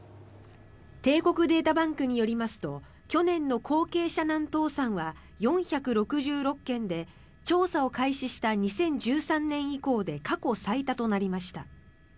帝国データバンクによりますと去年の後継者難倒産は４６６件で調査を開始した２０１３年以降で過去最多となりました。